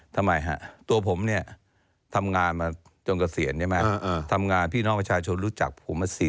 ทำไมฮะตัวผมเนี่ยทำงานมาจนเกษียณใช่ไหมทำงานพี่น้องประชาชนรู้จักผมมาเสีย